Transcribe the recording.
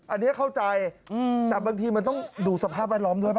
อันนี้เข้าใจแต่บางทีมันต้องดูสภาพแวดล้อมด้วยป